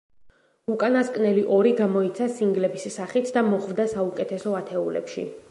უკანასკნელი ორი გამოიცა სინგლების სახით და მოხვდა საუკეთესო ათეულებში.